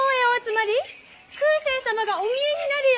空誓様がお見えになるよ！